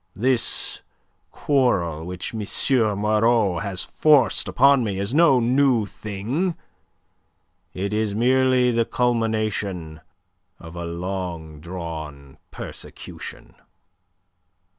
This quarrel which M. Moreau has forced upon me is no new thing. It is merely the culmination of a long drawn persecution..."